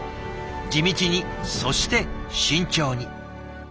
地道にそして慎重に。